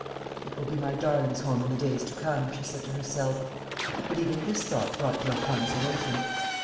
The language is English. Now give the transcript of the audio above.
"It will be my darling's home in the days to come," she said to herself; but even this thought brought no consolation.